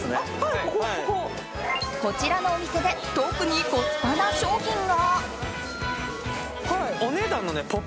こちらのお店で特にコスパな商品が。